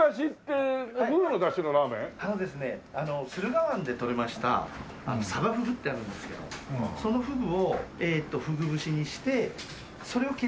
駿河湾でとれましたサバフグってあるんですけどそのフグをフグ節にしてそれを削ったのが。